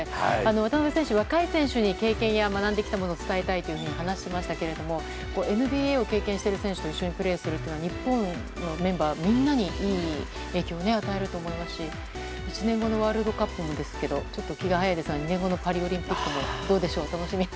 渡邊選手、若い選手に経験や学んできたことを伝えたいと話していましたけれどもＮＢＡを経験している選手と一緒にプレーするというのは日本のメンバーみんなにいい影響を与えると思いますし１年後のワールドカップちょっと気が早いですが２年後のパリオリンピックもどうでしょう。